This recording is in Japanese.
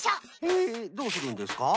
へえどうするんですか？